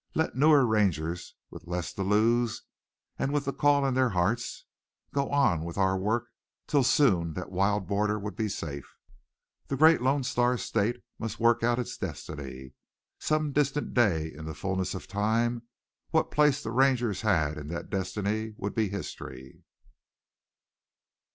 Let newer Rangers, with less to lose, and with the call in their hearts, go on with our work 'till soon that wild border would be safe! The great Lone Star State must work out its destiny. Some distant day, in the fulness of time, what place the Rangers had in that destiny would be history.